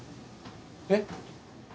えっ？